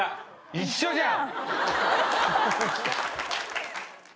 一緒じゃん。